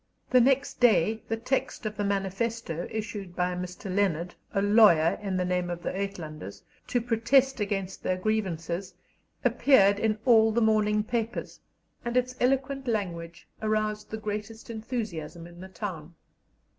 The next day the text of the Manifesto, issued by Mr. Leonard, a lawyer, in the name of the Uitlanders, to protest against their grievances, appeared in all the morning papers, and its eloquent language aroused the greatest enthusiasm in the town.